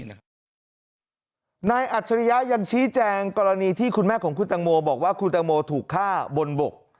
อัจฉริยะยังชี้แจงกรณีที่คุณแม่ของคุณตังโมบอกว่าคุณตังโมถูกฆ่าบนบก